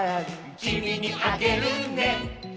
「きみにあげるね」